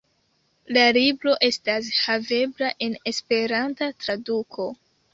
La libro estas havebla en esperanta traduko.